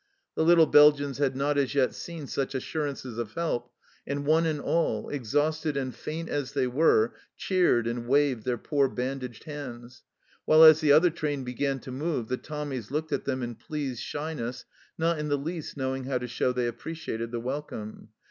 The little Belgians had not as yet seen such assurances of help, and one and all, exhausted and faint as they were, cheered and waved their poor bandaged hands ; while, as the other train began to move, the Tommies looked at them in pleased shyness, not in the least knowing how to show they appreciated the welcome.